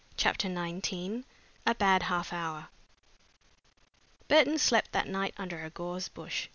CHAPTER XIX A BAD HALF HOUR Burton slept that night under a gorse bush.